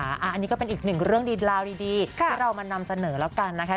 อันนี้ก็เป็นอีกหนึ่งเรื่องดีราวดีที่เรามานำเสนอแล้วกันนะคะ